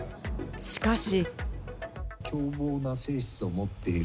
しかし。